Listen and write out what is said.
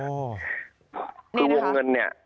คือวงเงินนะ